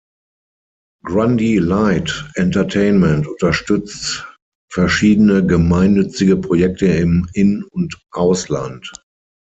Grundy Light Entertainment unterstützt verschiedene gemeinnützige Projekte im In- und Ausland.